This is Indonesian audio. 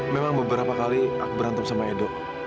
memang beberapa kali aku berantem sama edo